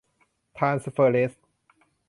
ทรานสเฟอร์เรส